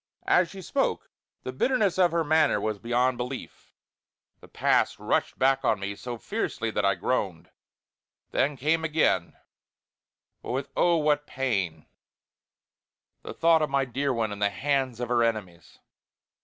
As she spoke, the bitterness of her manner was beyond belief; the past rushed back on me so fiercely that I groaned. Then came again, but with oh! what pain, the thought of my dear one in the hands of her enemies.